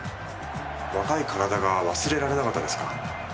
若い体が忘れられなかったですか？